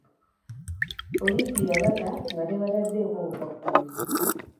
Poliisi yabata nga tebataddeeko bukwakkulizo.